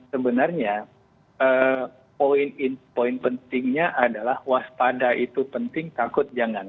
sebenarnya poin poin pentingnya adalah waspada itu penting takut jangan